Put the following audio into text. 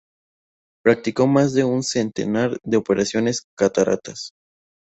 Practicó más de un centenar de operaciones de cataratas.